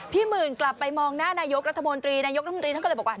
หมื่นกลับไปมองหน้านายกรัฐมนตรีนายกรัฐมนตรีท่านก็เลยบอกว่า